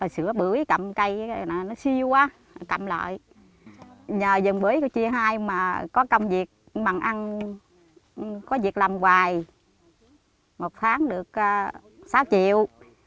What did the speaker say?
sữa bưởi cầm cây nó siêu quá cầm lại nhờ giường bưởi của chị hai mà có công việc bằng ăn có việc làm hoài một tháng được sáu triệu